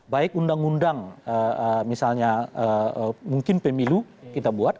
baik undang undang misalnya mungkin pemilu kita buat